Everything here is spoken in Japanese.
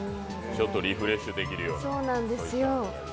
ちょっとリフレッシュできるような。